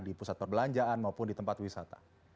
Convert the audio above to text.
di pusat perbelanjaan maupun di tempat wisata